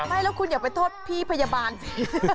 ไม่แล้วคุณอย่าไปโทษพี่พยาบาลสิ